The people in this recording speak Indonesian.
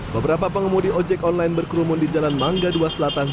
beberapa pengemudi ojek online berkerumun di jalan mangga dua selatan